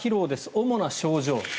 主な症状。